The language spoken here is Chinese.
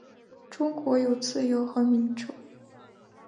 中国有自由和民主